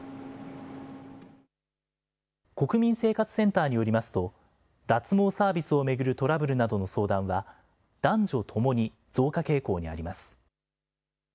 国民生活センターによりますと、脱毛サービスを巡るトラブルなどの相談は、男女ともに増加傾向にあります。